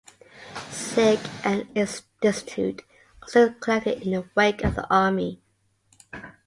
Sick and destitute, also, collected in the wake of the army.